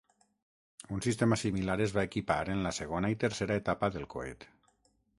Un sistema similar es va equipar en la segona i tercera etapa del coet.